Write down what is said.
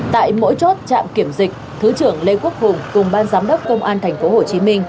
tại mỗi chốt trạm kiểm dịch thứ trưởng lê quốc hùng cùng ban giám đốc công an tp hcm